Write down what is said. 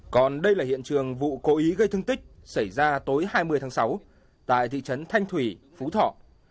còn đây là hiện trường vụ cố ý gây thương tích xảy ra tối hai mươi tháng sáu tại thị trấn thanh thủy phú thọ